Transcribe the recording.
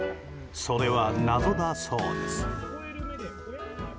それは謎だそうです。